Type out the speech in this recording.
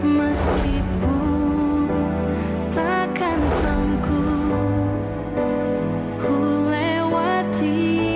meskipun takkan sanggu ku lewati